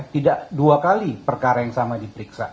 tidak dua kali perkara yang sama diperiksa